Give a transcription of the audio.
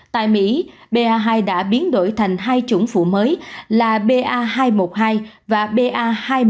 tại mỹ ba hai đã biến đổi thành hai chủng vụ mới là ba hai một mươi hai và ba hai một mươi hai một